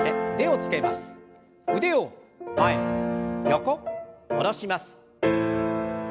腕を前横下ろします。